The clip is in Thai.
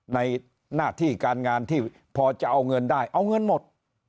ในหน้าที่การงานที่พอจะเอาเงินได้เอาเงินหมด